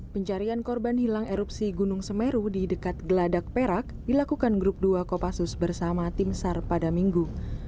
pencarian korban hilang erupsi gunung semeru di dekat geladak perak dilakukan grup dua kopassus bersama tim sar pada minggu